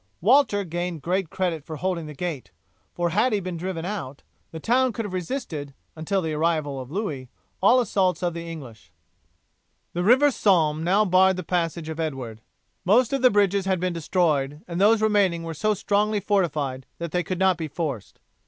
Walter gained great credit for holding the gate, for had he been driven out, the town could have resisted, until the arrival of Louis, all assaults of the English. The river Somme now barred the passage of Edward. Most of the bridges had been destroyed, and those remaining were so strongly fortified that they could not be forced.